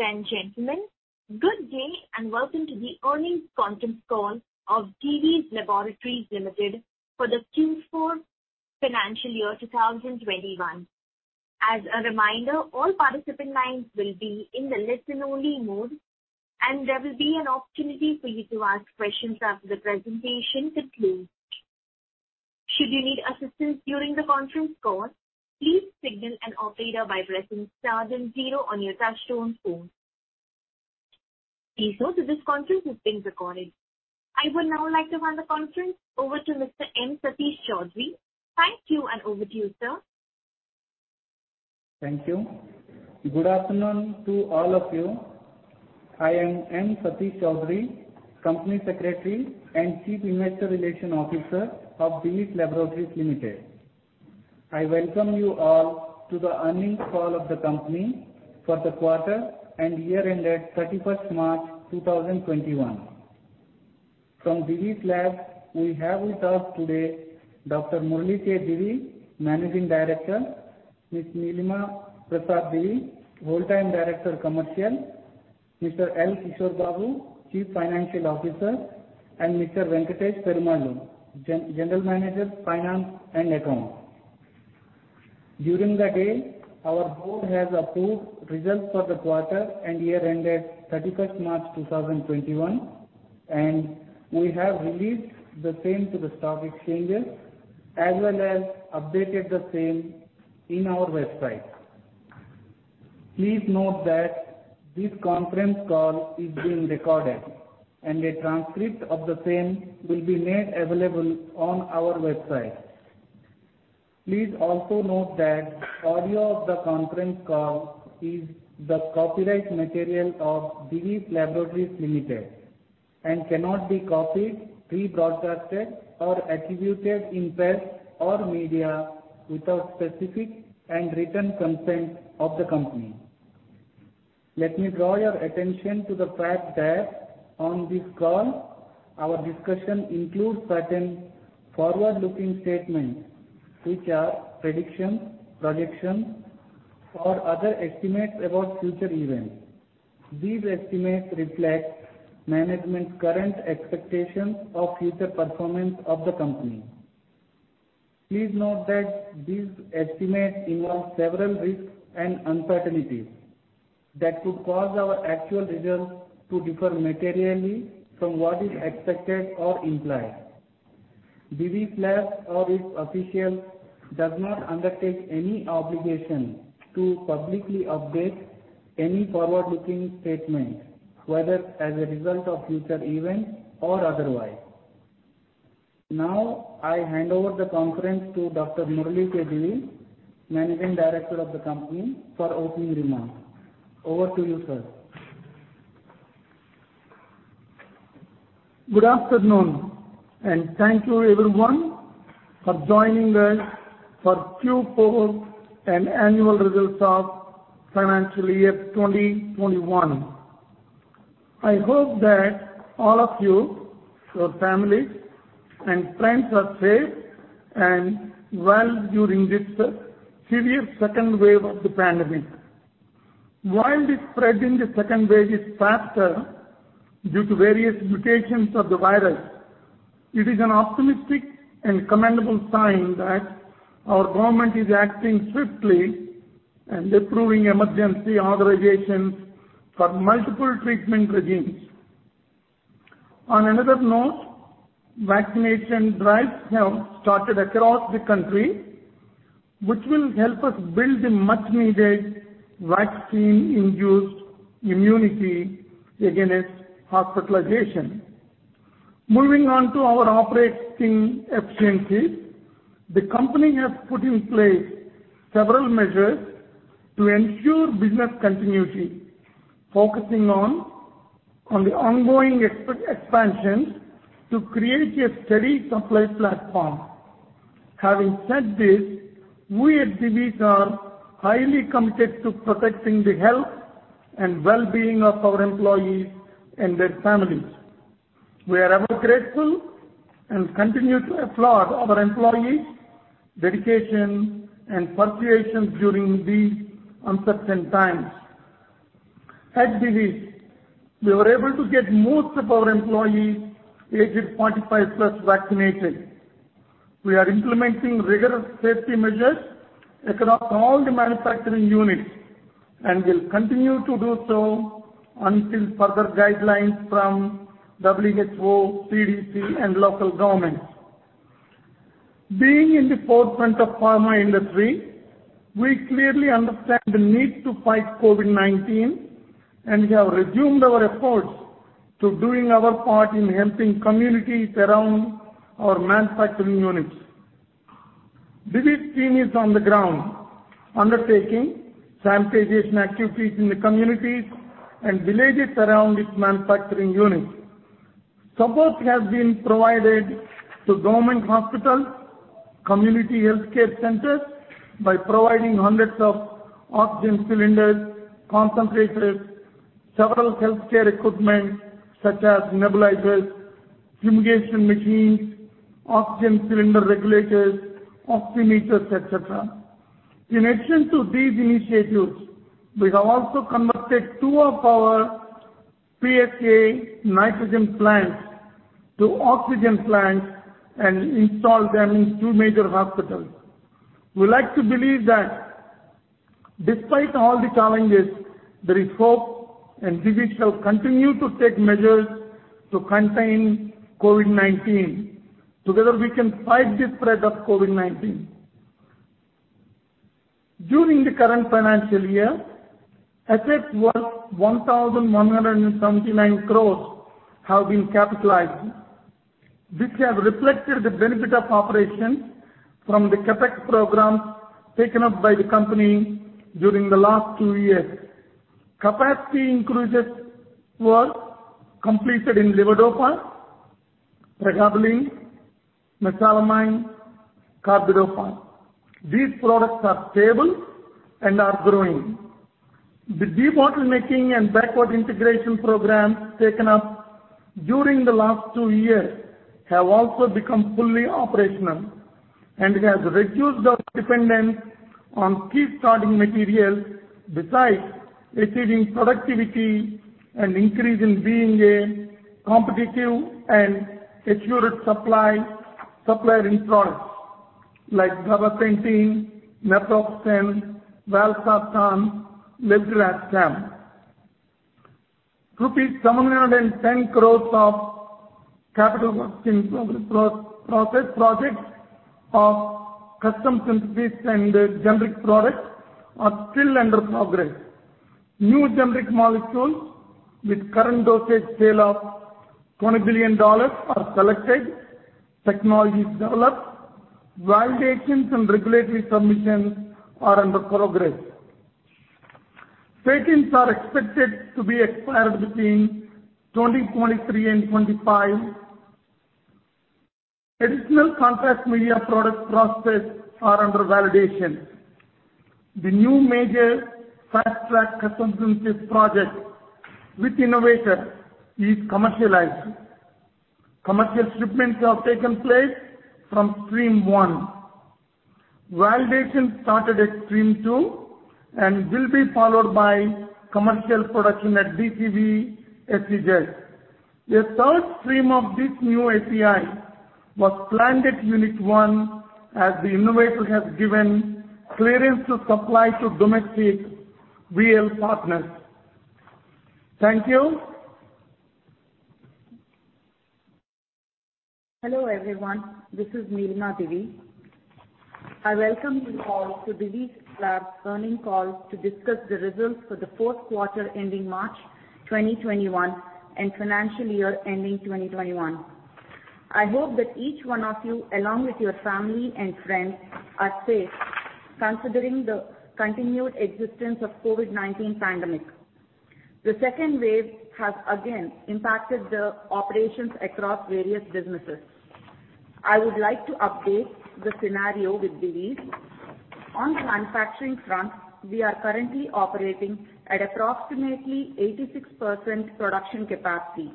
Ladies and gentlemen, good day and welcome to the earnings conference call of Divi's Laboratories Limited for the Q4 financial year 2021. As a reminder, all participant lines will be in the listen-only mode, and there will be an opportunity for you to ask questions after the presentation concludes. Should you need assistance during the conference call, please signal an operator by pressing star then zero on your touch-tone phone. Please note that this conference is being recorded. I would now like to hand the conference over to Mr. M. Satish Choudhury. Thank you, and over to you, sir. Thank you. Good afternoon to all of you. I am M. Satish Choudhury, Company Secretary and Chief Investor Relations Officer of Divi's Laboratories Limited. I welcome you all to the earnings call of the company for the quarter and year-end at 31st March 2021. From Divi's Lab, we have with us today Dr. Murali K. Divi, Managing Director, Ms. Nilima Prasad Divi, Whole-Time Director Commercial, Mr. L. Kishore Babu, Chief Financial Officer, and Mr. Venkatesh Perumal, General Manager Finance and Accounts. During the day, our board has approved results for the quarter and year ended 31st March 2021, and we have released the same to the stock exchanges as well as updated the same in our website. Please note that this conference call is being recorded and a transcript of the same will be made available on our website. Please also note that audio of the conference call is the copyright material of Divi's Laboratories Limited and cannot be copied, rebroadcasted, or attributed in press or media without specific and written consent of the company. Let me draw your attention to the fact that on this call, our discussion includes certain forward-looking statements which are predictions, projections, or other estimates about future events. These estimates reflect management's current expectations of future performance of the company. Please note that these estimates involve several risks and uncertainties that could cause our actual results to differ materially from what is expected or implied. Divi's Lab or its officials does not undertake any obligation to publicly update any forward-looking statements, whether as a result of future events or otherwise. Now, I hand over the conference to Dr. Murali K. Divi, Managing Director of the company, for opening remarks. Over to you, sir. Good afternoon. Thank you everyone for joining us for Q4 and annual results of financial year 2021. I hope that all of you, your families, and friends are safe and well during this serious second wave of the pandemic. While the spread in the second wave is faster due to various mutations of the virus, it is an optimistic and commendable sign that our government is acting swiftly and approving emergency authorizations for multiple treatment regimes. On another note, vaccination drives have started across the country, which will help us build the much-needed vaccine-induced immunity against hospitalization. Moving on to our operating efficiencies, the company has put in place several measures to ensure business continuity, focusing on the ongoing expansion to create a steady supply platform. Having said this, we at Divi's are highly committed to protecting the health and well-being of our employees and their families. We are ever grateful and continue to applaud our employees' dedication and perseverance during these uncertain times. At Divi's, we were able to get most of our employees aged 45+ vaccinated. We are implementing rigorous safety measures across all the manufacturing units, and will continue to do so until further guidelines from WHO, CDC, and local governments. Being in the forefront of pharma industry, we clearly understand the need to fight COVID-19 and have resumed our efforts to doing our part in helping communities around our manufacturing units. Divi's team is on the ground undertaking sanitation activities in the communities and villages around its manufacturing units. Support has been provided to government hospitals, community healthcare centers by providing hundreds of oxygen cylinders, concentrators, several healthcare equipment such as nebulizers fumigation machines, oxygen cylinder regulators, oximeters, et cetera. In addition to these initiatives, we have also converted two of our PSA nitrogen plants to oxygen plants and installed them in two major hospitals. We like to believe that despite all the challenges, there is hope, and we shall continue to take measures to contain COVID-19. Together we can fight the spread of COVID-19. During the current financial year, assets worth 1,179 crore have been capitalized, which have reflected the benefit of operations from the CapEx programs taken up by the company during the last two years. Capacity increases were completed in levodopa, pregabalin, mesalamine, carbidopa. These products are stable and are growing. The debottlenecking and backward integration programs taken up during the last two years have also become fully operational and have reduced our dependence on key starting materials, besides achieving productivity and increase in being a competitive and secured supplier in products like bromocriptine, methoxsalen, valsartan, lesinurad. INR 710 crore of capital works in process projects of custom synthesis and generic products are still under progress. New generic molecules with current dosage scale of $20 billion are selected, technologies developed, validations and regulatory submissions are under progress. Patents are expected to be expired between 2023 and 2025. Additional contrast media products process are under validation. The new major fast-track custom synthesis project with innovator is commercialized. Commercial shipments have taken place from stream one. Validation started at stream two and will be followed by commercial production at DCV SEZ. A third stream of this new API was planned at Unit one as the innovator has given clearance to supply to domestic VL partners. Thank you. Hello, everyone. This is Nilima Prasad Divi. I welcome you all to Divi's Labs earnings call to discuss the results for the fourth quarter ending March 2021 and financial year ending 2021. I hope that each one of you, along with your family and friends, are safe considering the continued existence of COVID-19 pandemic. The second wave has again impacted the operations across various businesses. I would like to update the scenario with Divi's. On the manufacturing front, we are currently operating at approximately 86% production capacity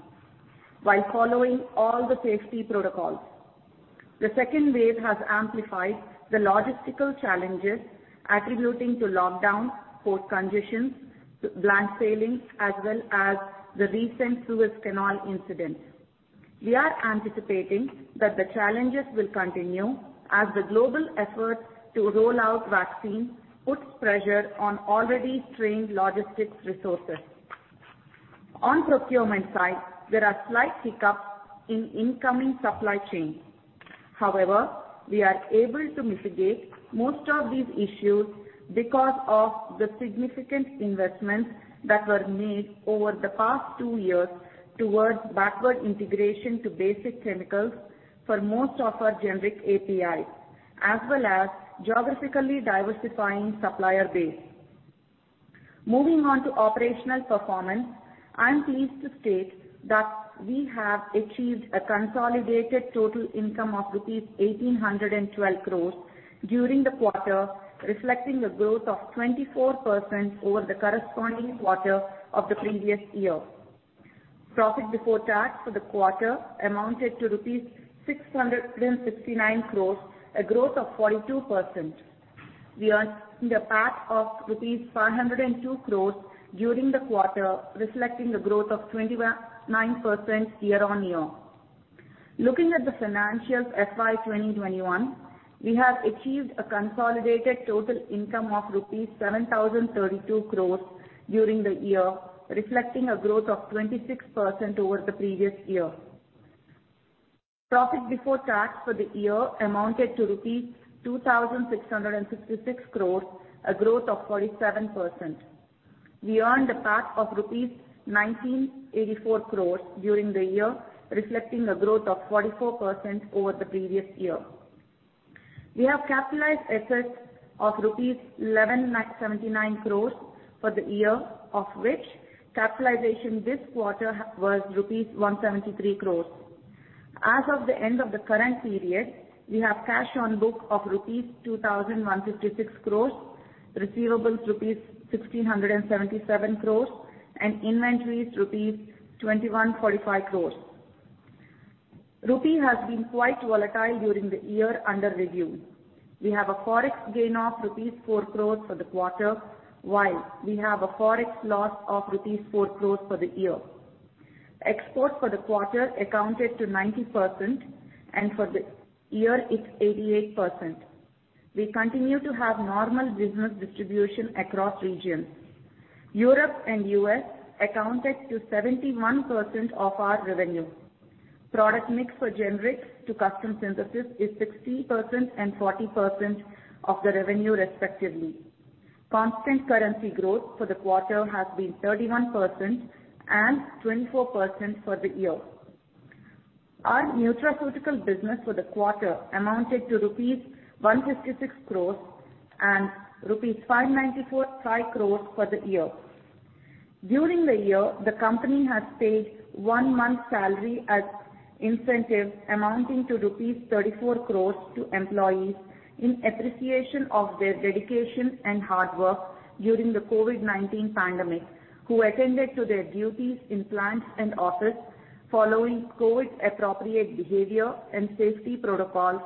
while following all the safety protocols. The second wave has amplified the logistical challenges attributing to lockdowns, port conditions, blank sailings, as well as the recent Suez Canal incident. We are anticipating that the challenges will continue as the global efforts to roll out vaccines puts pressure on already strained logistics resources. On procurement side, there are slight hiccups in incoming supply chains. We are able to mitigate most of these issues because of the significant investments that were made over the past two years towards backward integration to basic chemicals for most of our generic APIs, as well as geographically diversifying supplier base. Moving on to operational performance, I'm pleased to state that we have achieved a consolidated total income of rupees 1,812 crore during the quarter, reflecting a growth of 24% over the corresponding quarter of the previous year. Profit before tax for the quarter amounted to rupees 659 crore, a growth of 42%. We earned PAT of rupees 502 crore during the quarter, reflecting a growth of 29% year-on-year. Looking at the financials FY 2021, we have achieved a consolidated total income of rupees 7,032 crore during the year, reflecting a growth of 26% over the previous year. Profit before tax for the year amounted to rupees 2,666 crore, a growth of 47%. We earned a PAT of rupees 1,984 crore during the year, reflecting a growth of 44% over the previous year. We have capitalized assets of rupees 1,179 crore for the year, of which capitalization this quarter was rupees 173 crore. As of the end of the current period, we have cash on book of rupees 2,156 crore, receivables rupees 1,677 crore, and inventories rupees 2,145 crore. Rupee has been quite volatile during the year under review. We have a Forex gain of rupees 4 crore for the quarter, while we have a Forex loss of rupees 4 crore for the year. Exports for the quarter accounted to 90%, and for the year it's 88%. We continue to have normal business distribution across regions. Europe and U.S. accounted to 71% of our revenue. Product mix for generics to custom synthesis is 60% and 40% of the revenue respectively. Constant currency growth for the quarter has been 31% and 24% for the year. Our nutraceutical business for the quarter amounted to rupees 156 crore and rupees 595 crore for the year. During the year, the company has paid one month salary as incentive amounting to rupees 34 crore to employees in appreciation of their dedication and hard work during the COVID-19 pandemic, who attended to their duties in plant and office following COVID appropriate behavior and safety protocols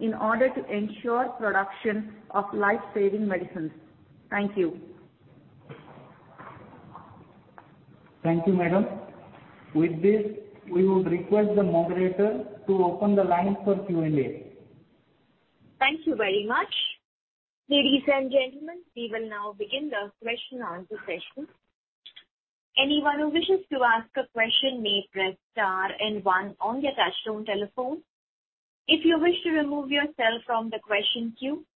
in order to ensure production of life-saving medicines. Thank you. Thank you, madam. With this, we will request the moderator to open the lines for Q&A. Thank you very much. Ladies and gentlemen, we will now begin the question and answer session. Anyone who wishes to ask a question may press star and one on their touch-tone telephone. If you wish to remove yourself from the question queue,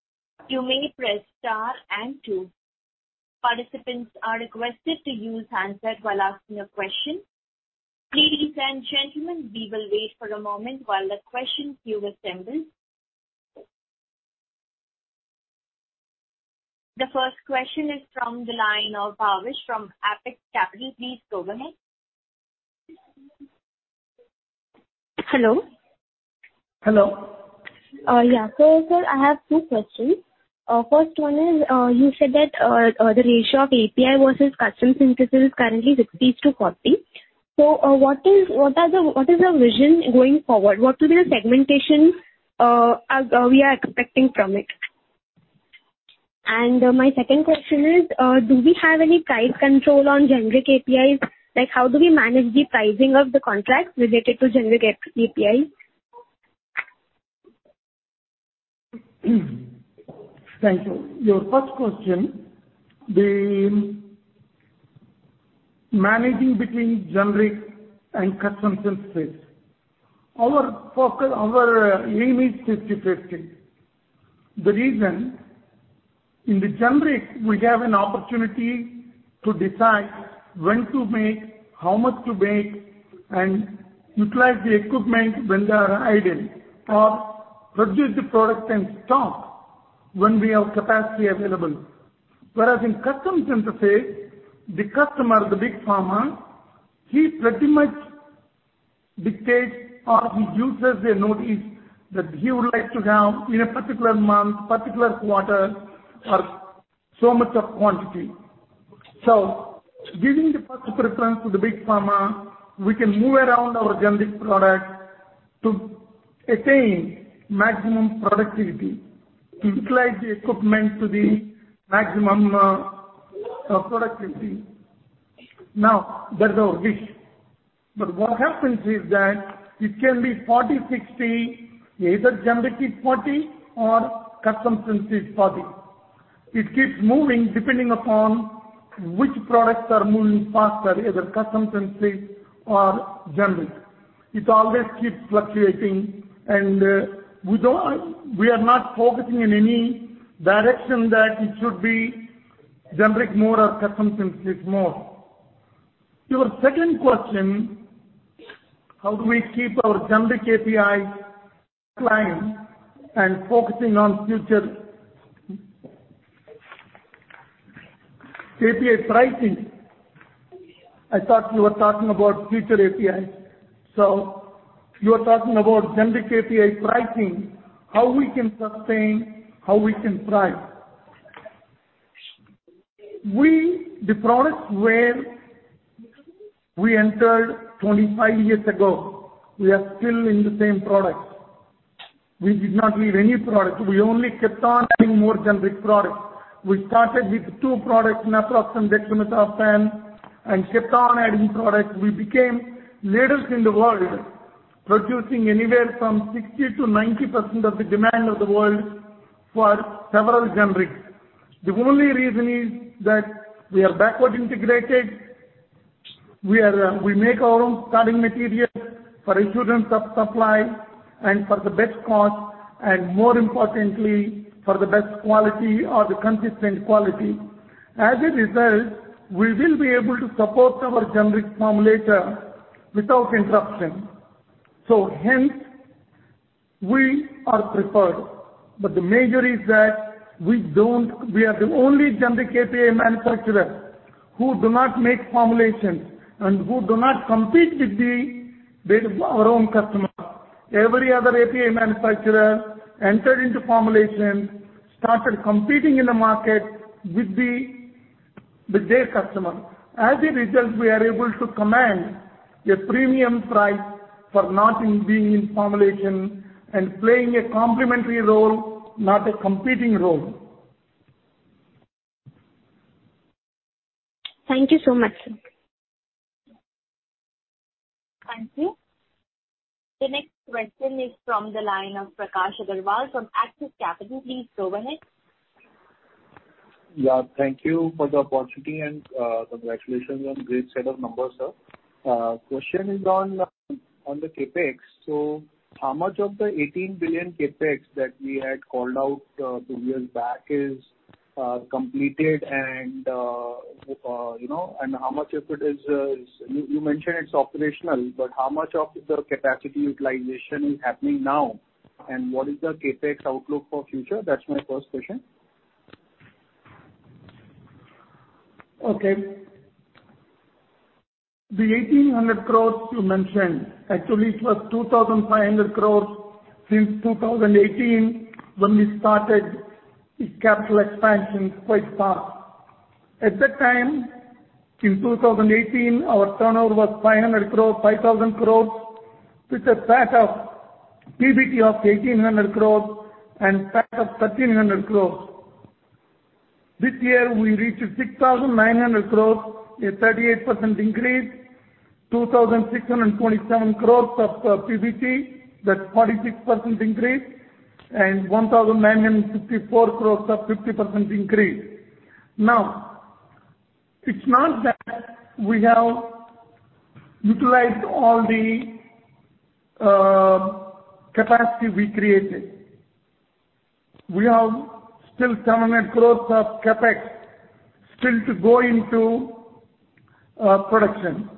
you may press star and two. Participants are requested to use handset while asking a question. Ladies and gentlemen, we will wait for a moment while the question queue assembles. The first question is from the line of Bhavish from Apex Capital, please go ahead. Hello. Hello. I have two questions. First one is, you said that the ratio of API versus custom synthesis is currently 60:40. What is the vision going forward? What will be the segmentation we are expecting from it? My second question is, do we have any price control on generic APIs? How do we manage the pricing of the contracts related to generic APIs? Thank you. Your first question, the managing between generic and custom synthesis. Our aim is 50/50. The reason, in the generic, we have an opportunity to decide when to make, how much to make, and utilize the equipment when they are idle, or produce the product and stock when we have capacity available. Whereas in custom synthesis, the customer, the big pharma, he pretty much dictates or he gives us a notice that he would like to have in a particular month, particular quarter or so much of quantity. Giving the first preference to the big pharma, we can move around our generic product to attain maximum productivity, utilize the equipment to the maximum productivity. Now, that's our wish. What happens is that it can be 40/60, either generic is 40 or custom synthesis 40. It keeps moving depending upon which products are moving faster, either custom synthesis or generic. It always keeps fluctuating, and we are not focusing in any direction that it should be generic more or custom synthesis more. Your second question, how do we keep our generic API clients and focusing on future API pricing. I thought you were talking about future APIs. You are talking about generic API pricing, how we can sustain, how we can price. The products where we entered 25 years ago, we are still in the same product. We did not leave any product. We only kept on adding more generic products. We started with two products, naproxen and dexamethasone, and kept on adding products. We became leaders in the world, producing anywhere from 60%-90% of the demand of the world for several generics. The only reason is that we are backward integrated, we make our own starting material for insurance of supply and for the best cost, and more importantly, for the best quality or the consistent quality. As a result, we will be able to support our generic formulator without interruption. Hence, we are preferred. The major is that we are the only generic API manufacturer who do not make formulations and who do not compete with our own customers. Every other API manufacturer entered into formulation, started competing in the market with their customer. As a result, we are able to command a premium price for not being in formulation and playing a complementary role, not a competing role. Thank you so much. Thank you. The next question is from the line of Prakash Agarwal from Axis Capital. Please go ahead. Yeah, thank you for the opportunity and congratulations on great set of numbers, sir. Question is on the CapEx. How much of the 18 billion CapEx that we had called out two years back is completed and You mentioned it's operational, but how much of the capacity utilization is happening now, and what is the CapEx outlook for future? That's my first question. Okay. The 1,800 crore you mentioned, actually it was 2,500 crore since 2018 when we started the capacity expansion quite fast. At the time, in 2018, our turnover was 5,000 crore with a PBT of 1,800 crore and PAT of 1,300 crore. This year we reached 6,900 crore, a 38% increase, 2,627 crore of PBT, that's 46% increase, and 1,964 crore of 50% increase. It's not that we have utilized all the capacity we created. We have still 700 crore of CapEx still to go into production.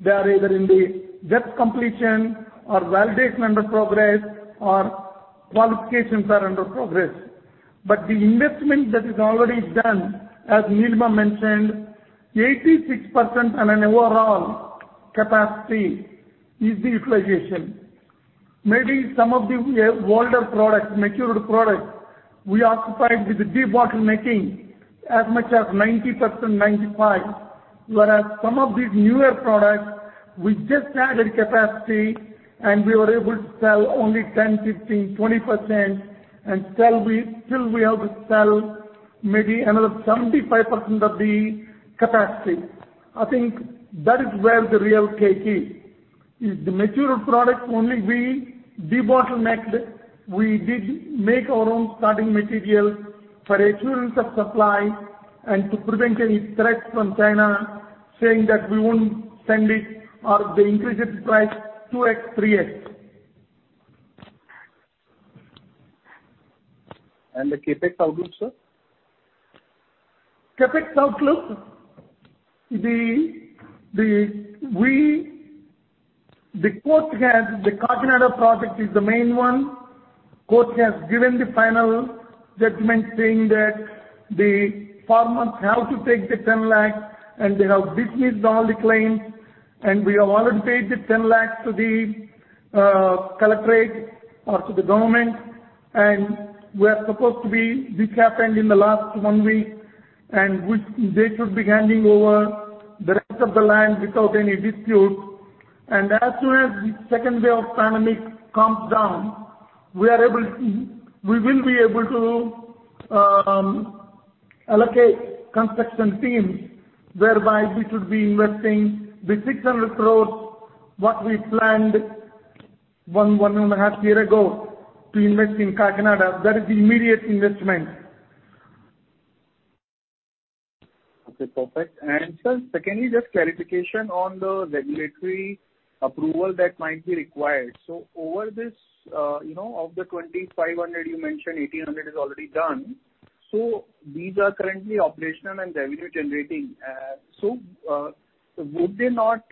They are either in the desk completion or validation under progress or qualifications are under progress. The investment that is already done, as Nilima Prasad Divi mentioned, 86% on an overall capacity is the utilization. Maybe some of the older products, matured products, we occupied with the debottlenecking as much as 90%, 95%. Some of the newer products, we just added capacity and we were able to sell only 10%, 15%, 20%, and still we have to sell maybe another 75% of the capacity. I think that is where the real cake is. If the matured product only being bottlenecked, we did make our own starting materials for assurance of supply and to prevent any threats from China saying that we wouldn't send it or they increased the price 2x, 3x. The CapEx outlook, sir? CapEx outlook. The court has the Kakinada project is the main one. Court has given the final judgment saying that the farmers have to take the 10 lakh, and they have dismissed all the claims, and we have already paid the 10 lakh to the government. We are supposed to be decapping in the last one week, and they should be handing over the rest of the land without any disputes. As soon as the second wave of pandemic comes down, we will be able to allocate construction teams whereby we should be investing the 600 million what we planned one and a half year ago to invest in Kakinada. That is immediate investment. Okay, perfect. Sir, secondly, just clarification on the regulatory approval that might be required. Over this, of the 2,500 you mentioned 1,800 is already done. These are currently operational and revenue generating. Would they not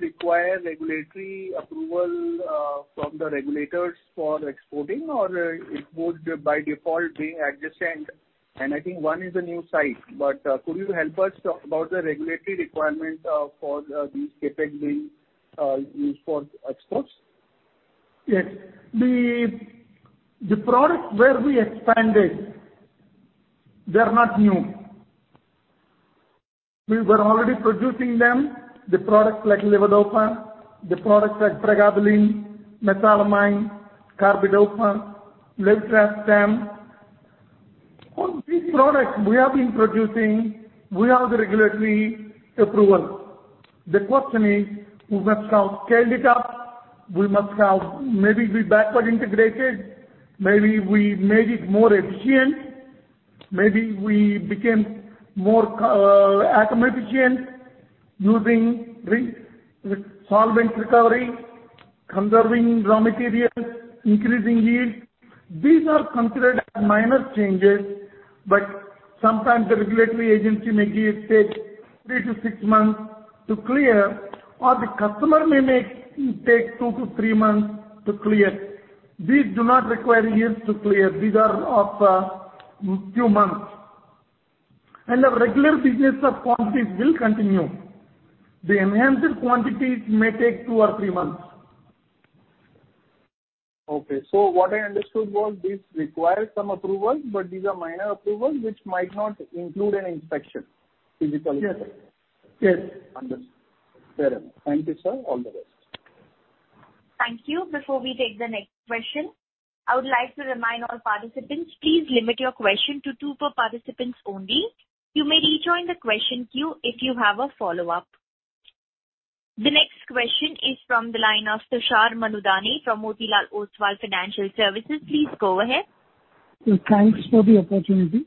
require regulatory approval from the regulators for exporting or it would by default be adjacent? I think one is a new site. Could you help us about the regulatory requirement for these CapEx being used for exports? Yes. The products where we expanded, they are not new. We were already producing them, the products like levodopa, the products like pregabalin, mesalamine, carbidopa, milnacipran. All these products we have been producing, we have the regulatory approval. The question is, we must have scaled it up. We must have maybe be backward integrated. Maybe we made it more efficient. Maybe we became more atom efficient using solvent recovery, conserving raw materials, increasing yield. These are considered as minor changes. Sometimes the regulatory agency may take three to six months to clear, or the customer may take two to three months to clear. These do not require years to clear. These are of a few months. Our regular business of quantity will continue. The enhanced quantity may take two or three months. Okay. What I understood was these require some approvals, but these are minor approvals which might not include an inspection, physical inspection. Yes. Understood. Fair enough. Thank you, sir. All the best. Thank you. Before we take the next question, I would like to remind all participants, please limit your question to two per participant only. You may rejoin the question queue if you have a follow-up. The next question is from the line of Tushar Manudhane from Motilal Oswal Financial Services. Please go ahead. Thanks for the opportunity.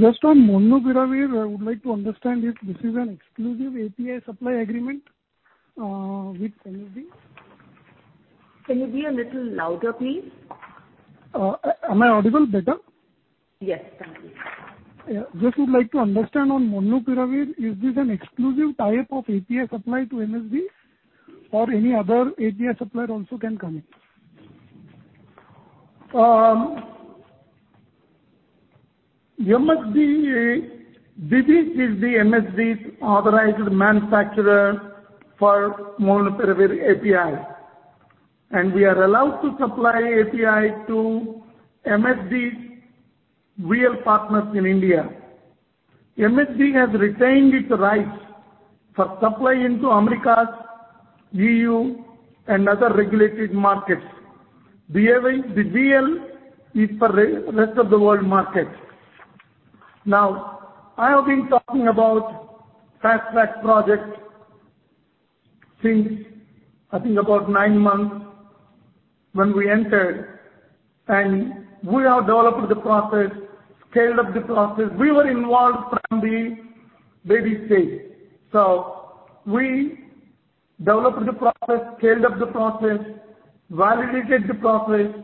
Just on molnupiravir, I would like to understand if this is an exclusive API supply agreement with MSD. Can you be a little louder, please? Am I audible better? Yes, thank you. Just would like to understand on molnupiravir, is this an exclusive type of API supply to MSD or any other API supplier also can connect? Divi's is the MSD's authorized manufacturer for molnupiravir API, and we are allowed to supply API to MSD's VL partners in India. MSD has retained its rights for supply into Americas, EU, and other regulated markets. The VL is for rest of the world market. I have been talking about fast-track project since I think about nine months when we entered, and we have developed the process, scaled up the process. We were involved from the very stage. We developed the process, scaled up the process, validated the process,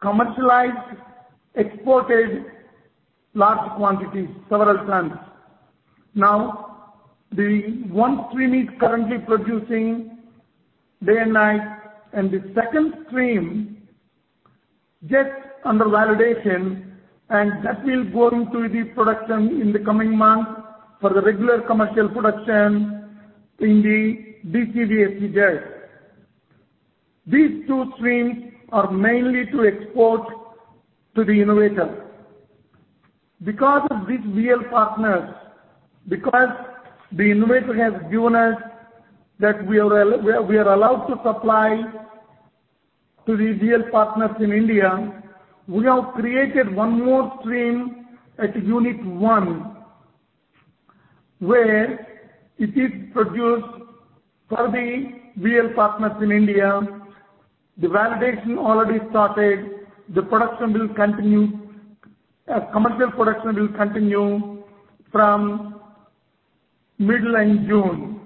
commercialized, exported large quantities, several tons. The one stream is currently producing day and night, and the second stream just under validation, and that will go into the production in the coming months for the regular commercial production in the DCV SEZ. These two streams are mainly to export to the innovator. Because of these VL partners, because the innovator has given us that we are allowed to supply to the VL partners in India, we have created one more stream at Unit One, where it is produced for the VL partners in India. The validation already started. The commercial production will continue from mid-June.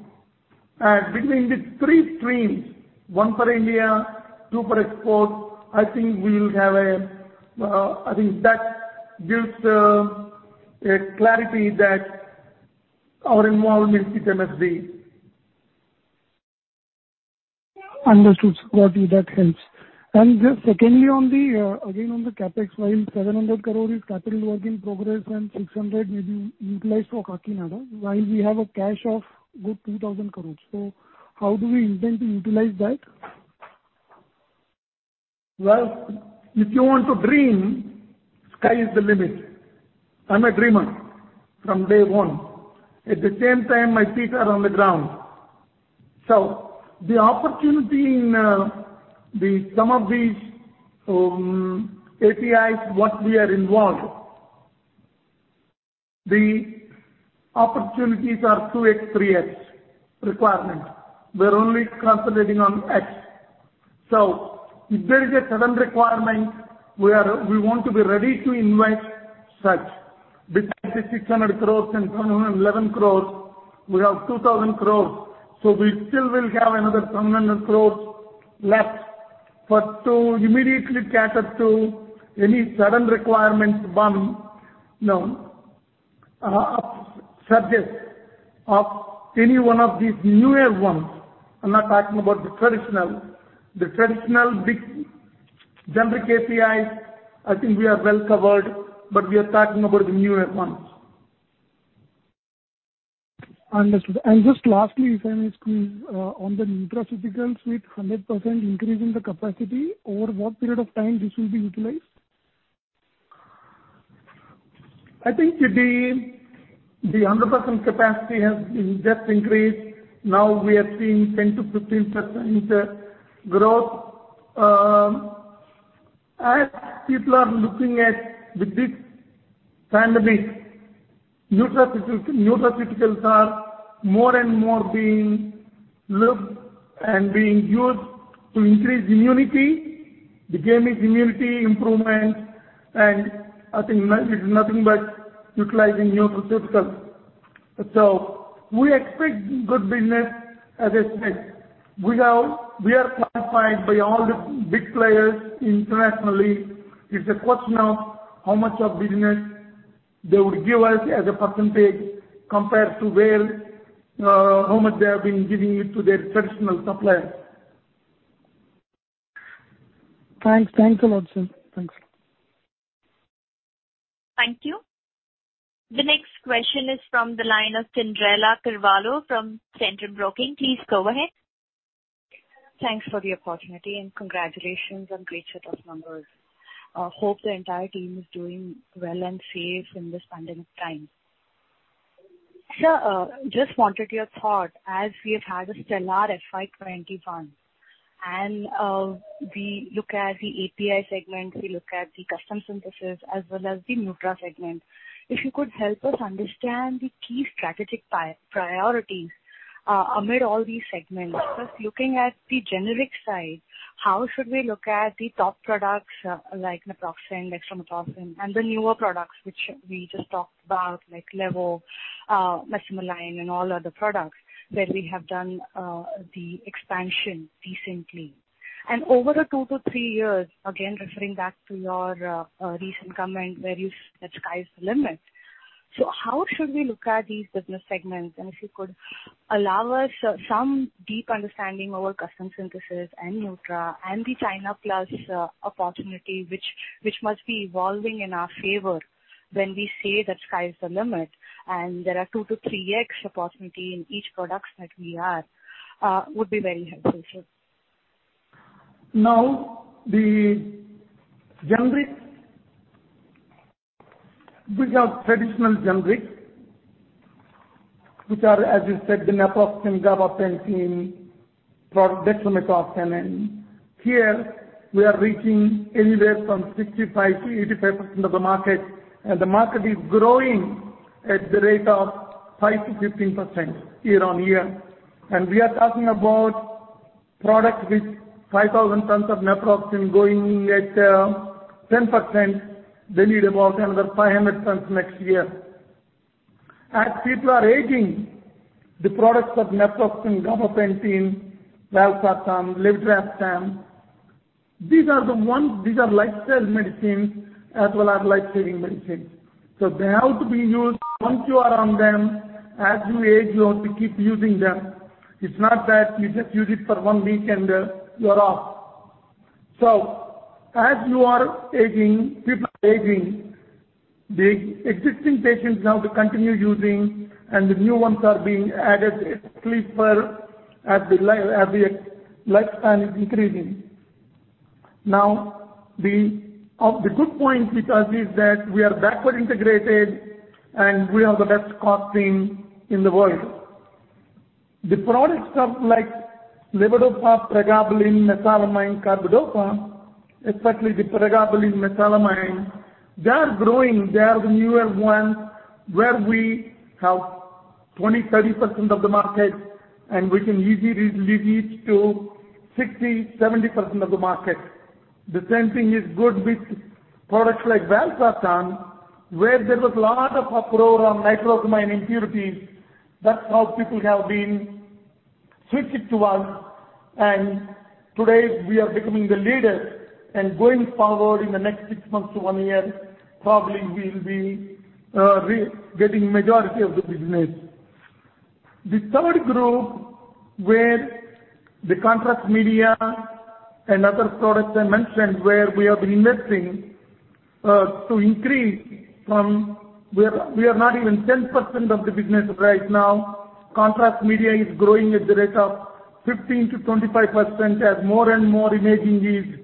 Between these three streams, one for India, two for export, I think that gives the clarity that our involvement with MSD. Understood. Got you. That helps. Just secondly, again on the CapEx, while 700 crore is capital working progress and 600 crore may be utilized for Kakinada, while we have a cash of good 2,000 crore. How do we intend to utilize that? Well, if you want to dream, sky is the limit. I'm a dreamer from day one. At the same time, my feet are on the ground. The opportunity in some of these APIs what we are involved, the opportunities are 2x, 3x requirement. We're only concentrating on x. If there is a sudden requirement, we want to be ready to invest such. Between the 600 crore and 711 crore, we have 2,000 crore. We still will have another 700 crore left to immediately cater to any sudden requirements one subjects of any one of these newer ones. I'm not talking about the traditional. The traditional big generic APIs, I think we are well-covered, but we are talking about the newer ones. Understood. Just lastly, if I may squeeze, on the nutraceutical suite, 100% increase in the capacity, over what period of time this will be utilized? I think the 100% capacity has just increased. Now we are seeing 10%-15% growth. As people are looking at with this pandemic, nutraceuticals are more and more being looked and being used to increase immunity, the gaining immunity improvement, and I think medicine is nothing but utilizing nutraceuticals. We expect good business. As I said, we are certified by all the big players internationally. It's a question of how much of business they would give us as a percentage compared to how much they have been giving it to their traditional suppliers. Thanks a lot, sir. Thanks. Thank you. The next question is from the line of Cyndrella Carvalho from Centrum Broking. Please go ahead. Thanks for the opportunity and congratulations on great set of numbers. Hope the entire team is doing well and safe in this pandemic time. Sir, just wanted your thought as we have had a stellar FY 2021. We look at the API segment, we look at the custom synthesis as well as the Nutra segment. If you could help us understand the key strategic priorities amid all these segments. Just looking at the generic side, how should we look at the top products like naproxen, dexamethasone, and the newer products which we just talked about, like levo, mesalamine, and all other products where we have done the expansion recently. Over the two to three years, again referring back to your recent comment where you said sky is the limit. How should we look at these business segments? If you could allow us some deep understanding about custom synthesis and Nutra and the China plus opportunities which must be evolving in our favor when we say the sky's the limit, and there are 2x-3x opportunity in each product that we have, would be very helpful, sir. The generics. We have traditional generics, which are, as you said, the naproxen, gabapentin, dexamethasone. Here, we are reaching anywhere from 65%-85% of the market, the market is growing at the rate of 5%-15% year-on-year. We are talking about product with 5,000 tons of naproxen growing at 10%. They need about another 500 tons next year. As people are aging, the products of naproxen, gabapentin, alprazolam, Levetiracetam, these are lifestyle medicines as well as life-saving medicines. They have to be used. Once you are on them, as you age, you have to keep using them. It's not that you just use it for one week and then you're off. As you are aging, people are aging, the existing patients now they continue using, and the new ones are being added equally well as the lifespan is increasing. Of the good points because is that we are backward integrated and we are the best costing in the world. The products of like levodopa, pregabalin, mesalamine, carbidopa, especially the pregabalin, mesalamine, they are growing. They are the newer ones where we have 20%-30% of the market, and we can easily reach to 60%-70% of the market. The same thing is good with products like valsartan, where there was a lot of uproar on nitrosamine impurities. That's how people have been switching to us, and today we are becoming the leader. Going forward in the next 6 months to 1 year, probably we'll be getting majority of the business. The third group, where the contrast media and other products I mentioned where we are investing to increase. We are not even 10% of the business right now. Contrast media is growing at the rate of 15%-25% as more and more imaging is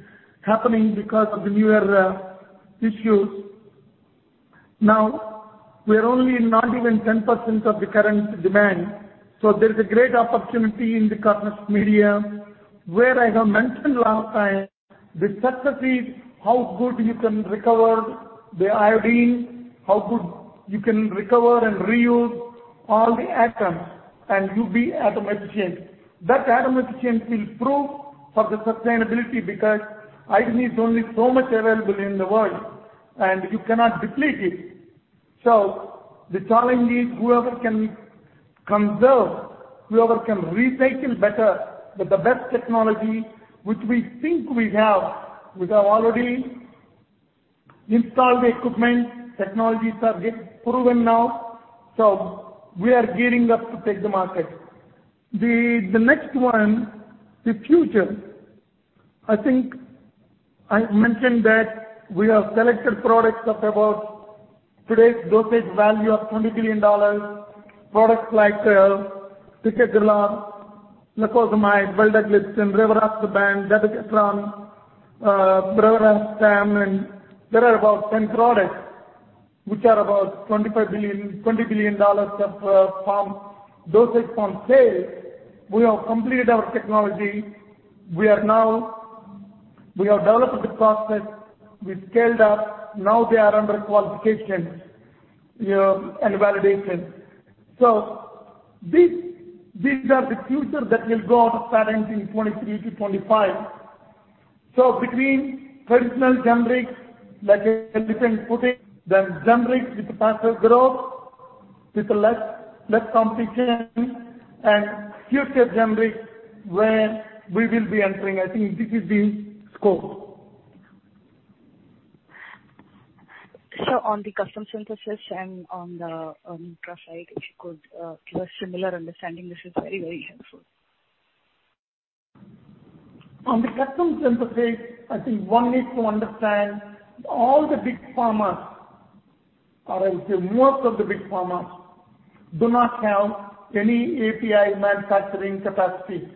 happening because of the newer issues. Now, we're only not even 10% of the current demand, so there's a great opportunity in the contrast media where I have mentioned last time the success is how good you can recover the iodine, how good you can recover and reuse all the atoms, and you be atom efficient. That atom efficiency is proof for the sustainability because iodine is only so much available in the world, and you cannot deplete it. The challenge is whoever can conserve, whoever can recycle better with the best technology, which we think we have. We have already installed the equipment. Technologies are getting proven now. We are gearing up to take the market. The next one, the future. I think I mentioned that we have selected products of about today's dosage value of $20 billion. Products like ticagrelor, lacosamide, vildagliptin, rivaroxaban, zonisamide, bremelanotide and there are about 10 products which are about $20 billion of dosage form sales. We have completed our technology. We have developed the process. We've scaled up. Now they are under qualification and validation. These are the future that will go on starting in 2023 to 2025. Between traditional generics, like I differently put it, then generics with faster growth with less competition and future generics where we will be entering, I think this is the scope. Sir, on the custom synthesis and on the thrust side, if you could give a similar understanding, this is very helpful. On the custom synthesis, I think one needs to understand all the big pharma, or I say most of the big pharma, do not have any API manufacturing capacity.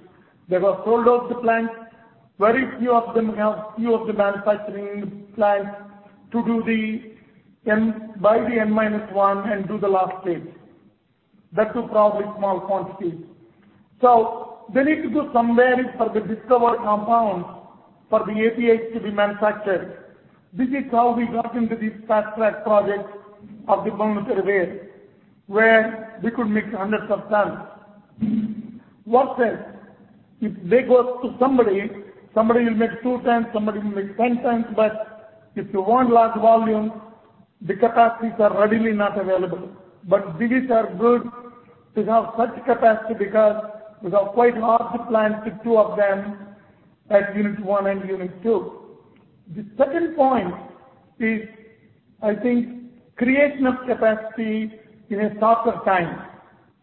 They have sold off the plant. Very few of them have few of the manufacturing plants to buy the N minus one and do the last stage. That too, probably small quantities. They need to do some way for the discovered compounds for the API to be manufactured. This is how we got into these patch work projects of the [inaudible] way, where we could make hundreds of tons. What's then? If they go to somebody will make two times, somebody will make 10 times, if you want large volume, the capacities are readily not available. Divi's are good. We have such capacity because we have quite large plants with 2 of them at Unit 1 and Unit 2. The second point is, I think, create enough capacity in a shorter time.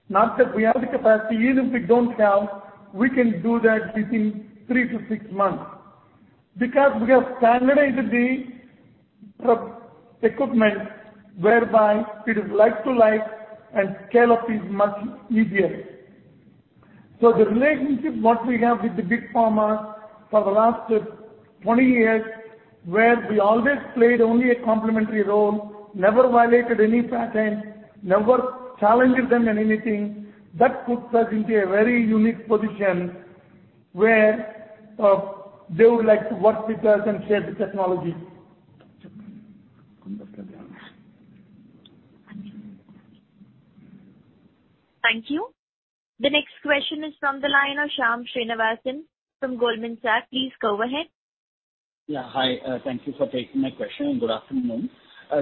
Not that we have the capacity. Even if we don't have, we can do that within three to six months. We have standardized the equipment whereby it is like to like and scale up is much easier. The relationship what we have with the big pharma for the last 20 years, where we always played only a complementary role, never violated any patent, never challenged them in anything. That puts us into a very unique position where they would like to work with us and share the technology. Thank you. The next question is from the line of Shyam Srinivasan from Goldman Sachs. Please go ahead. Yeah. Hi. Thank you for taking my question. Good afternoon.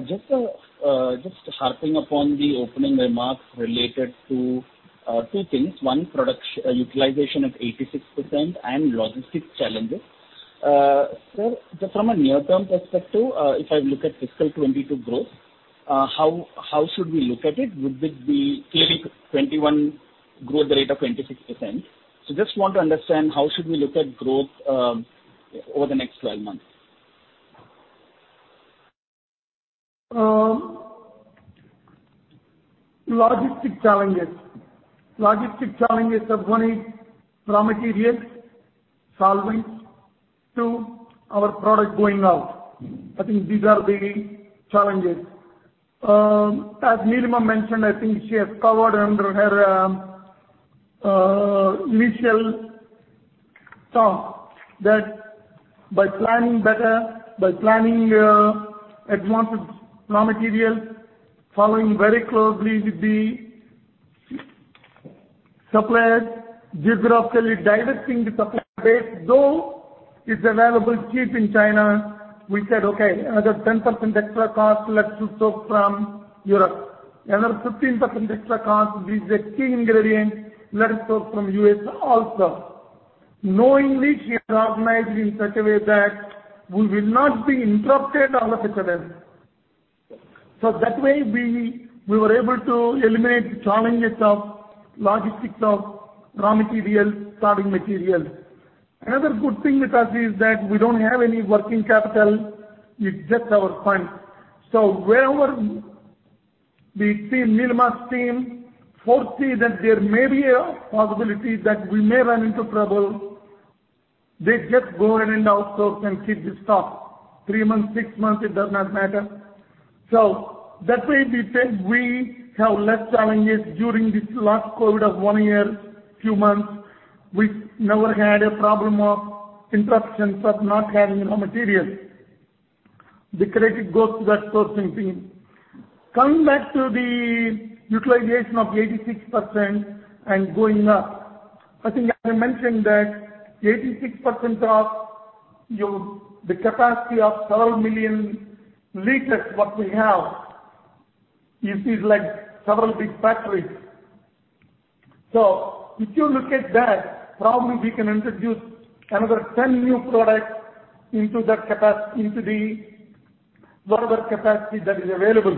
Just harping upon the opening remarks related to two things: One, product utilization at 86% and logistics challenges. Sir, just from a near-term perspective, if I look at fiscal 2022 growth, how should we look at it? Would it be clearly 2021 growth rate of 26%? Just want to understand how should we look at growth over the next 12 months. Logistics challenges. Logistics challenges are going to raw materials, solvents to our product going out. I think these are the challenges. As Nilima Prasad Divi mentioned, I think she has covered under her initial talk that by planning better, by planning advance of raw materials, following very closely with the suppliers, geographically diverting the supply base, though it's available cheap in China, we said, "Okay, another 10% extra cost, let's source from Europe. Another 15% extra cost, this is a key ingredient, let's source from U.S. also." Knowing this, we have organized in such a way that we will not be interrupted or whatever. That way, we were able to eliminate challenges of logistics of raw materials, starting materials. Another good thing with us is that we don't have any working capital. It's just our funds. Wherever the team, Nilima's team foresee that there may be a possibility that we may run into trouble, they just go in and outsource and keep the stock. Three months, six months, it does not matter. That way, we say we have less challenges during this last COVID of one year, few months. We never had a problem of interruptions of not having raw materials. The credit goes to that sourcing team. Coming back to the utilization of 86% and going up. I think I mentioned that 86% of the capacity of several million liters what we have. You see it like several big factories. If you look at that, probably we can introduce another 10 new products into the whatever capacity that is available.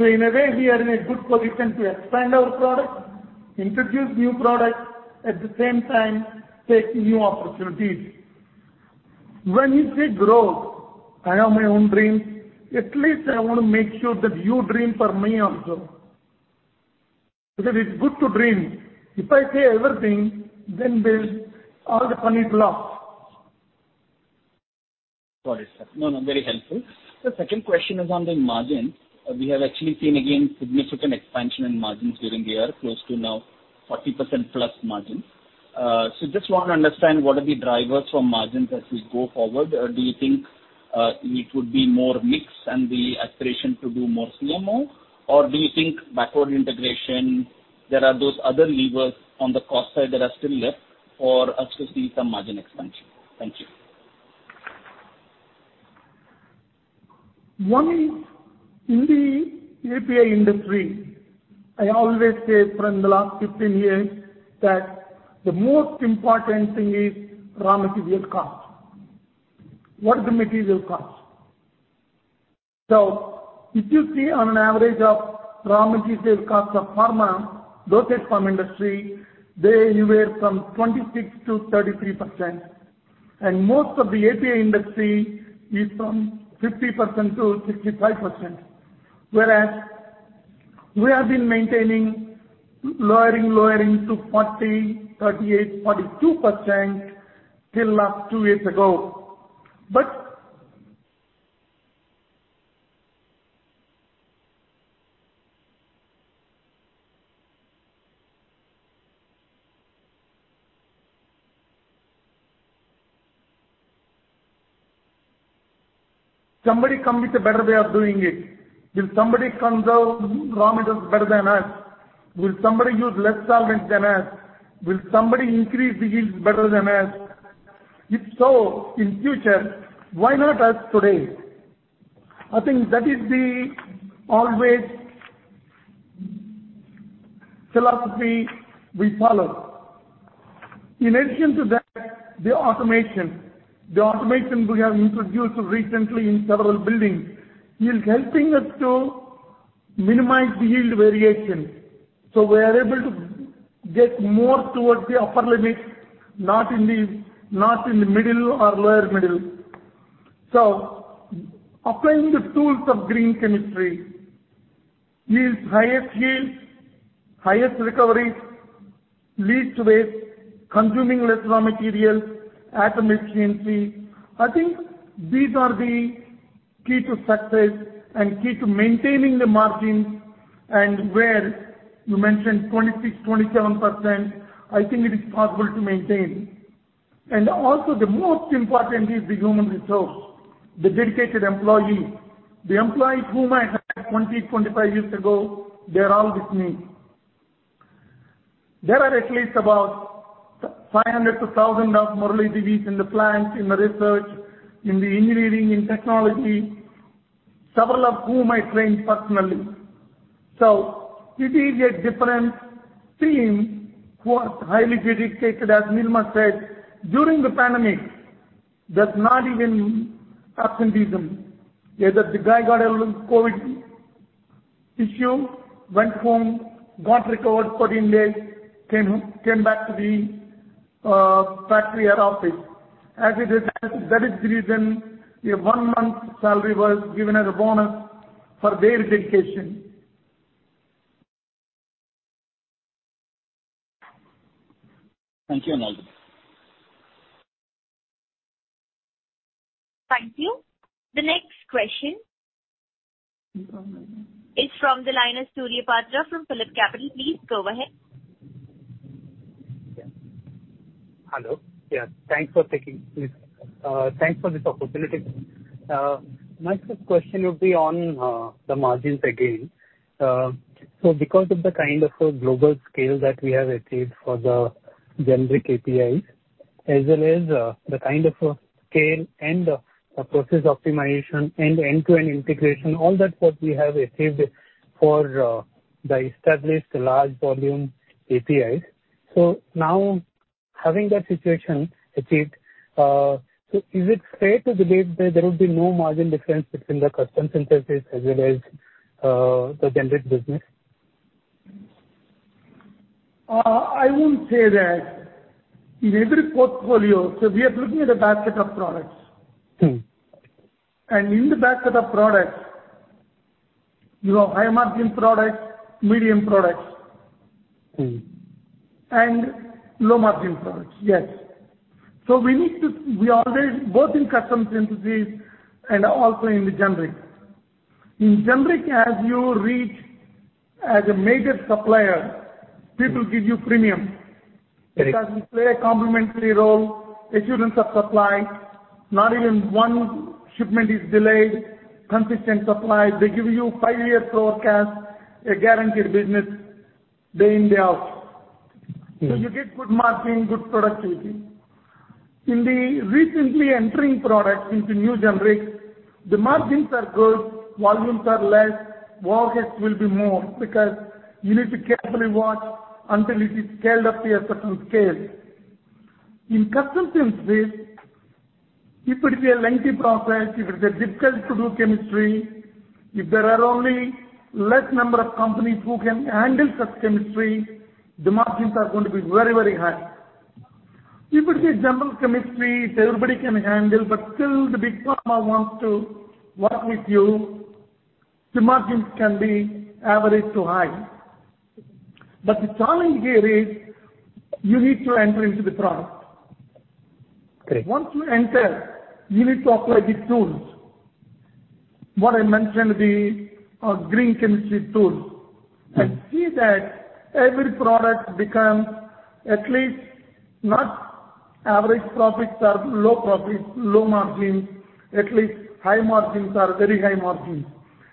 In a way, we are in a good position to expand our product, introduce new product, at the same time, take new opportunities. When you say growth, I have my own dream. At least I want to make sure that you dream for me also. It's good to dream. If I say everything, then all the fun is lost. Got it, sir. No, very helpful. Sir, second question is on the margin. We have actually seen again significant expansion in margins during the year, close to now 40%+ margin. Just want to understand what are the drivers for margins as we go forward. Do you think it would be more mix and the aspiration to do more CMO? Do you think backward integration, there are those other levers on the cost side that are still left for us to see some margin expansion? Thank you. One is in the API industry. I always say from the last 15 years that the most important thing is raw material cost. What is the material cost? If you see on average of raw material cost of pharma, listed pharma industry, they anywhere from 26%-33%, and most of the API industry is from 50%-65%. Whereas we have been maintaining lowering to 40%, 38%, 42% till last two years ago. Somebody come with a better way of doing it. Will somebody comes out with raw materials better than us? Will somebody use less solvent than us? Will somebody increase the yields better than us? If so, in future, why not us today? I think that is the always philosophy we follow. In addition to that, the automation we have introduced recently in several buildings is helping us to minimize the yield variation. We are able to get more towards the upper limits, not in the middle or lower middle. Applying the tools of green chemistry yields highest yields, highest recoveries, least waste, consuming less raw materials at efficiency. I think these are the key to success and key to maintaining the margins. Where you mentioned 26%, 27%, I think it is possible to maintain. Also the most important is the human resource, the dedicated employees. The employees whom I had 20-25 years ago, they're all with me. There are at least about 500-1,000 of more ladies in the plant, in the research, in the engineering, in technology, several of whom I trained personally. It is a different team who are highly dedicated. As Nilima Prasad Divi said, during the pandemic, there's not even absenteeism. Either the guy got a little COVID-19 issue, went home, got recovered 14 days, came back to the factory or office. That is the reason a one-month salary was given as a bonus for their dedication. Thank you, Nilima Prasad Divi. Thank you. The next question is from Surya Patra from PhillipCapital. Please go ahead. Hello. Yes, thanks for this opportunity. My first question would be on the margins again. Because of the kind of a global scale that we have achieved for the generic APIs, as well as the kind of a scale and the process optimization and the end-to-end integration, all that what we have achieved for the established large volume APIs. Now having that situation achieved, so is it fair to believe that there will be no margin difference between the custom synthesis as well as the generic business? I wouldn't say that. In every portfolio, we are looking at a basket of products. In the basket of products, you have high-margin products, medium products. low-margin products. Yes. We always, both in custom synthesis and also in the generic. Generic, as you reach as a major supplier, people give you premium. Right. You play a complementary role, assurance of supply, not even one shipment is delayed, consistent supply. They give you five years forecast, a guaranteed business day in, day out. You get good margin, good productivity. In the recently entering products into new generics, the margins are good, volumes are less, wastage will be more, because you need to carefully watch until it is scaled up to a certain scale. In custom synthesis, if it is a lengthy process, if it is a difficult to do chemistry, if there are only less number of companies who can handle such chemistry, the margins are going to be very high. If it is a general chemistry that everybody can handle, but still the big pharma wants to work with you, the margins can be average to high. The challenge here is you need to enter into the product. Right. Once you enter, you need to apply the tools, what I mentioned, the green chemistry tools. Right. See that every product becomes at least not average profits or low profits, low margins, at least high margins or very high margins.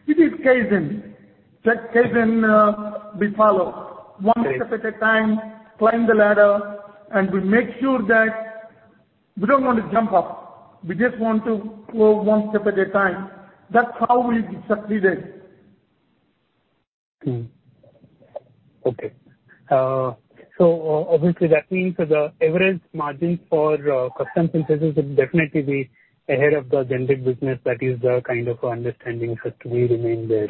We did kaizen. That kaizen we follow. Right. One step at a time, climb the ladder. We don't want to jump up. We just want to go one step at a time. That's how we succeeded. Okay. Obviously that means that the average margin for custom synthesis will definitely be ahead of the generic business. That is the kind of understanding for me to remain there.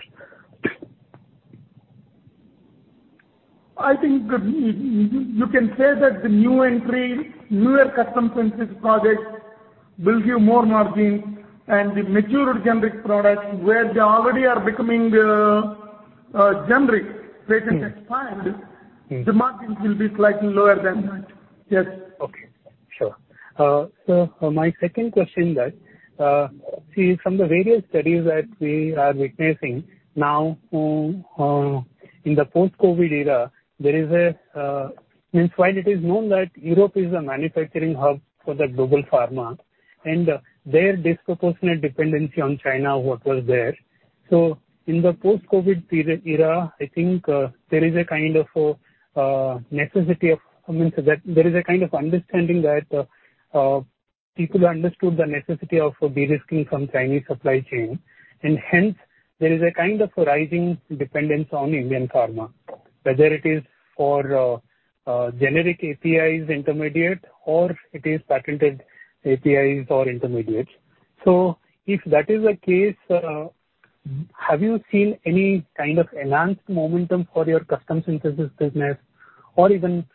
I think you can say that the new entries, newer custom synthesis products will give more margin, and the mature generic products where they already are becoming generic, patents expired, the margins will be slightly lower than that. Yes. Okay. Sure. My second question is that, see from the various studies that we are witnessing now in the post-COVID-19 era, meanwhile it is known that Europe is a manufacturing hub for the global pharma and their disproportionate dependency on China, what was there. In the post-COVID-19 era, I think there is a kind of understanding that people understood the necessity of de-risking some Chinese supply chain and hence there is a kind of rising dependence on Indian pharma, whether it is for generic APIs intermediate or it is patented APIs or intermediates. If that is the case, have you seen any kind of enhanced momentum for your custom synthesis business or even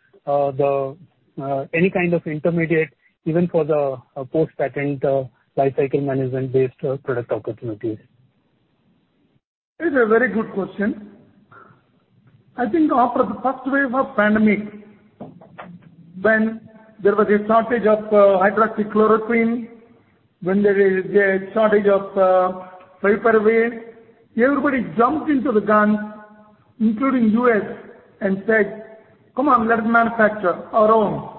any kind of intermediate even for the post-patent lifecycle management-based product opportunities? It's a very good question. I think after the first wave of pandemic, when there was a shortage of hydroxychloroquine, when there is a shortage of ibuprofen, everybody jumped into the gun including U.S. and said, "Come on, let's manufacture our own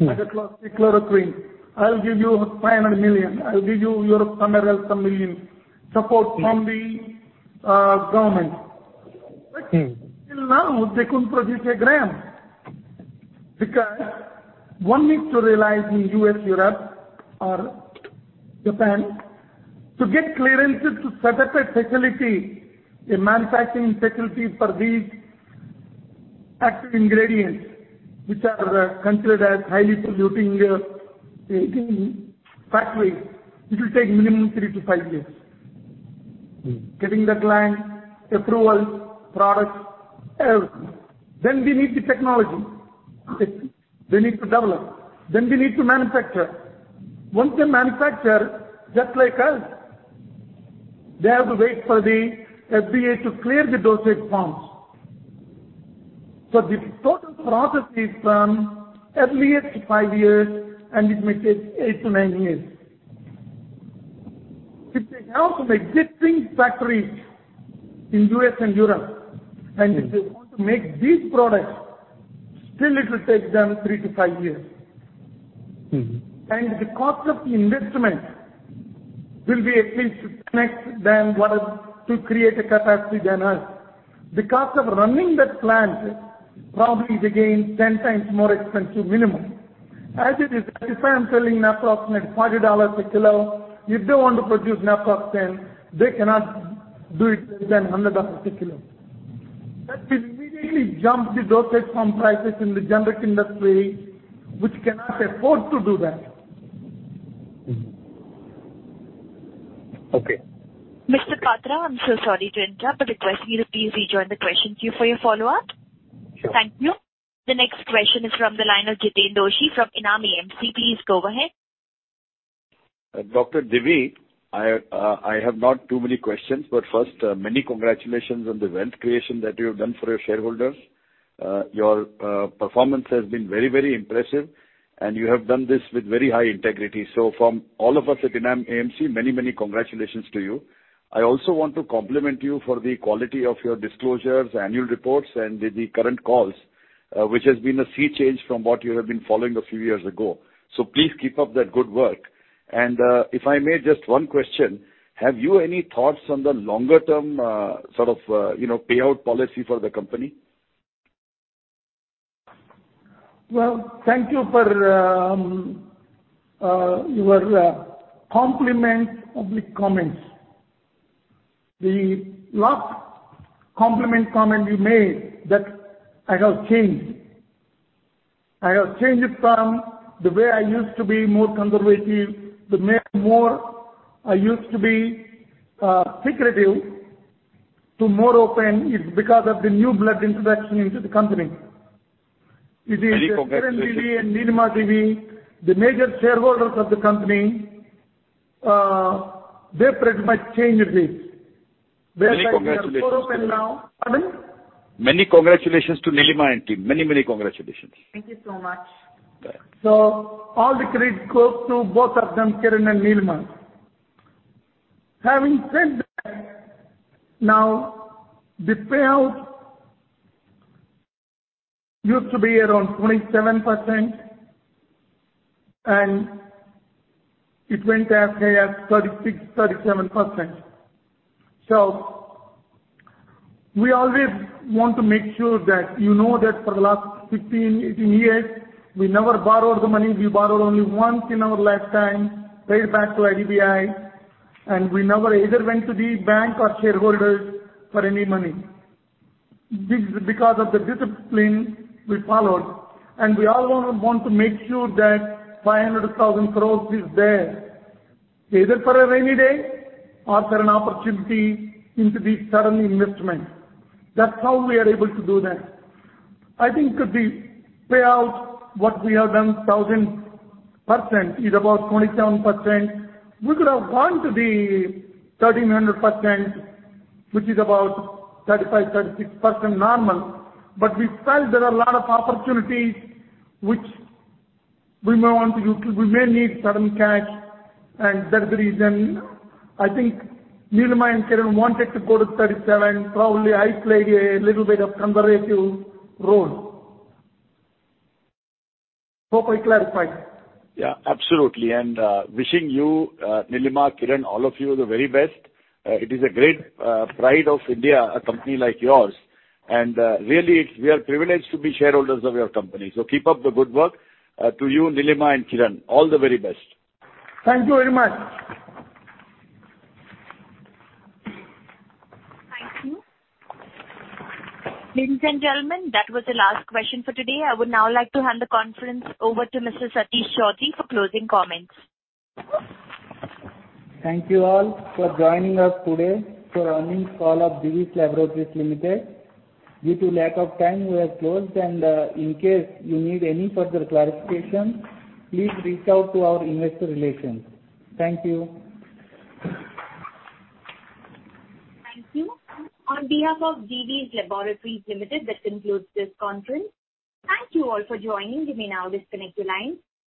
hydroxychloroquine. I'll give you $500 million. I'll give you Europe, some millions support from the government." Till now they couldn't produce a gram because one needs to realize in U.S., Europe or Japan to get clearances to set up a facility, a manufacturing facility for these active ingredients which are considered as highly polluting pathways, it will take minimum three to five years. Getting the client approval, product, everything. We need the technology. They need to develop, then they need to manufacture. Once they manufacture, just like us, they have to wait for the FDA to clear the dosage forms. This total process takes from at least five years and it may take eight to nine years. If they have some existing factories in U.S. and Europe and if they want to make these products, still it will take them three to five years. The cost of investment will be at least 10x than what to create a capacity than us. The cost of running that plant probably is again ten times more expensive minimum. As it is, if I am selling naproxen at $40 a kilo, if they want to produce naproxen, they cannot do it less than $100 a kilo. That immediately jumps the dosage from prices in the generic industry which cannot afford to do that. Okay. Mr. Patra, I'm so sorry to interrupt, but could I see you please rejoin the question queue for your follow-up? Thank you. The next question is from the line of Jiten Doshi from Enam AMC. Please go ahead. Dr. Divi, I have not too many questions, but first, many congratulations on the wealth creation that you have done for your shareholders. Your performance has been very impressive and you have done this with very high integrity. From all of us at Enam AMC, many congratulations to you. I also want to compliment you for the quality of your disclosures, annual reports, and the current calls, which has been a sea change from what you have been following a few years ago. Please keep up that good work. If I may just one question, have you any thoughts on the longer-term sort of payout policy for the company? Well, thank you for your compliment public comments. The last compliment comment you made that I have changed. I have changed from the way I used to be more conservative, the way more I used to be secretive to more open is because of the new blood introduction into the company. Many congratulations. It is Kiran Divi and Nilima Divi, the major shareholders of the company, they pretty much changed this. We are quite more open now. Many congratulations. Pardon? Many congratulations to Nilima and team. Many congratulations. Thank you so much. All the credit goes to both of them, Kiran and Nilima. Having said that, now the payout used to be around 27% and it went up as 36%, 37%. We always want to make sure that you know that for the last 15, 18 years, we never borrowed the money. We borrowed only once in our lifetime, paid back to IDBI, and we never either went to the bank or shareholders for any money. Because of the discipline we followed, and we always want to make sure that 500 crore-1000 crore is there, either for a rainy day or for an opportunity into the certain investment. That's how we are able to do that. I think the payout, what we have done 1,000%, is about 27%. We could have gone to the 1,300%, which is about 35%, 36% normal. We felt there are a lot of opportunities which we may need certain cash, and that's the reason I think Nilima and Kiran wanted to go to 37. Probably, I played a little bit of conservative role. Hope I clarified. Yeah, absolutely. Wishing you, Nilima, Kiran, all of you the very best. It is a great pride of India, a company like yours. Really, we are privileged to be shareholders of your company. Keep up the good work. To you, Nilima, and Kiran, all the very best. Thank you very much. Thank you. Ladies and gentlemen, that was the last question for today. I would now like to hand the conference over to Mr. Satish Choudhury for closing comments. Thank you all for joining us today for earnings call of Divi's Laboratories Limited. Due to lack of time, we are closed, and in case you need any further clarification, please reach out to our investor relations. Thank you. Thank you. On behalf of Divi's Laboratories Limited, that concludes this conference. Thank you all for joining. You may now disconnect your lines.